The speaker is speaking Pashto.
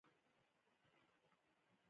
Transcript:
دغه ډله نه یوازې د فارک پر وړاندې جنګېده.